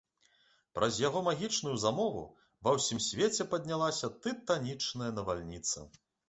Праз яго магічную замову ва ўсім свеце паднялася тытанічная навальніца.